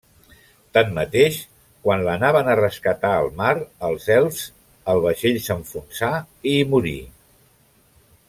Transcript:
Tanmateix, quan l'anaven a rescatar al mar els elfs, el vaixell s'enfonsà i hi morí.